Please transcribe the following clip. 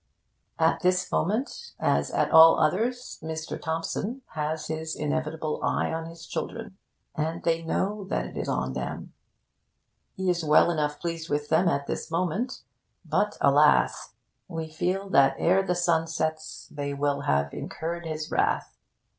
At this moment, as at all others, Mr. Thompson has his inevitable eye on his children, and they know that it is on them. He is well enough pleased with them at this moment. But alas! we feel that ere the sun sets they will have incurred his wrath.